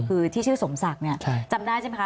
คือที่ชื่อสมศักดิ์จำได้ใช่มั้ยคะ